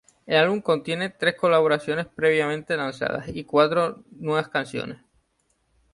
El álbum contiene tres colaboraciones previamente lanzadas y cuatro nuevas canciones.